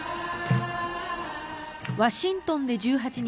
ワシントンで１８日